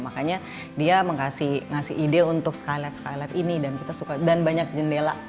makanya dia ngasih ide untuk skylight skylight ini dan kita suka dan banyak jendela